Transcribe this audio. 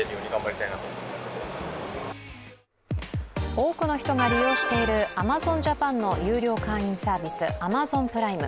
多くの人が利用しているアマゾンジャパンの有料会員サービスアマゾンプライム。